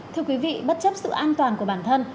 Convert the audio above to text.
thưa quý vị bất chấp sự an toàn của bản thân